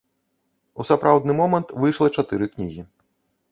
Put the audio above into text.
У сапраўдны момант выйшла чатыры кнігі.